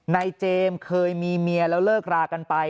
เจมส์เคยมีเมียแล้วเลิกรากันไป